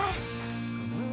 terima kasih ya